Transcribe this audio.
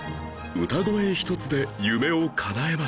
歌声一つで夢をかなえました